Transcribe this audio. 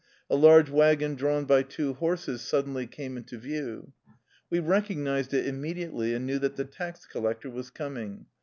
A large wagon drawn by two horses suddenly came into view. We recognized it immediately, and knew that the tax collector was coming.